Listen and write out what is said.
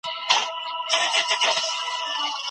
په شخصي ژوند کي هم دوی خپلواک دي.